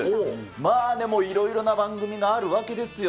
まあでも、いろいろな番組があるわけですよ。